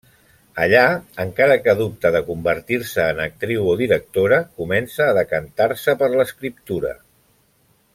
Allà, encara que dubta de convertir-se en actriu o directora, comença a decantar-se per l'escriptura.